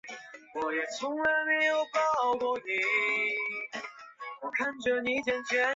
宁桥郡是越南湄公河三角洲芹苴市中心的一个郡。